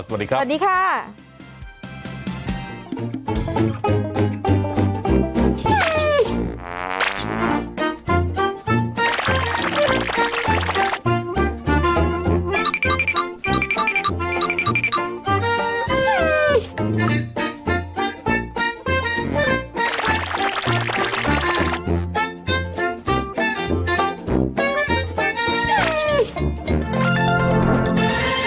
สวัสดีครับ